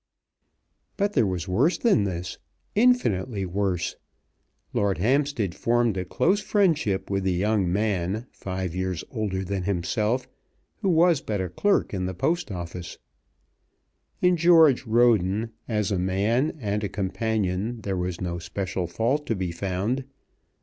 But there was worse than this, infinitely worse. Lord Hampstead formed a close friendship with a young man, five years older than himself, who was but a clerk in the Post Office. In George Roden, as a man and a companion, there was no special fault to be found.